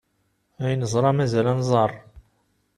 Ay neẓra, mazal ad nẓer!